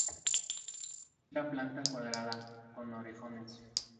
Es de planta cuadrada, con orejones.